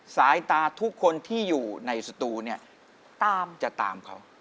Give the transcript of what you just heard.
สายตาทุกคนที่อยู่ในสตูเนี่ยจะตามเขา